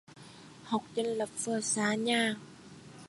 học dân lập vừa xa nhà